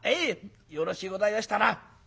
よろしゅうございましたな。